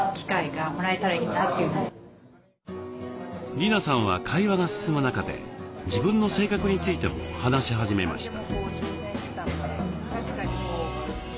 りなさんは会話が進む中で自分の性格についても話し始めました。